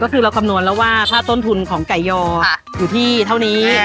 ก็คือเราคำนวณแล้วว่าถ้าต้นทุนของไก่ยออยู่ที่เท่านี้